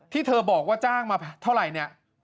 ที่เธอบอกว่าจ้างมาเท่าไหร่เนี่ย